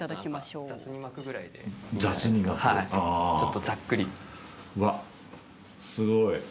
うわっ、すごい。